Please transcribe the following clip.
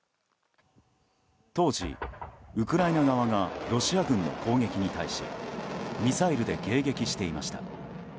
当時、ウクライナ側がロシア軍の攻撃に対しミサイルで迎撃していました。